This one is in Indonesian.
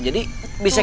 jadi bisa kita